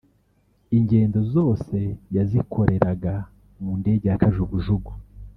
ingendo zose yazikoreraga mu ndege ya Kajugujugu